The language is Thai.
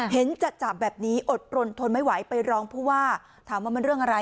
เห็นจะจับแบบนี้อดรนทนไม่ไหวไปร้องผู้ว่าถามว่ามันเรื่องอะไร